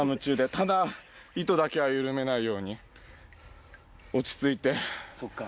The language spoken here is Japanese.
ただ糸だけは緩めないように落ち着いて。